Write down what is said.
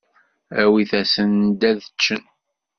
Awit-asen-d ad ččen.